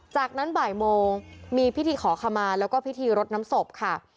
จากนั้นบ่ายโมงมีพิธีขอขมาแล้วก็พิธีรดน้ำศพค่ะ